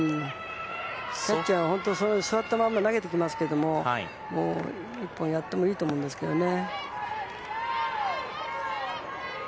キャッチャーは座ったまんま投げてきますけども１本やってもいいと思うんですけどね。